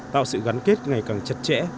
tạo sự gắn kết ngày càng chặt chẽ